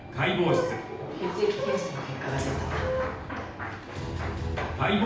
血液検査の結果が出た。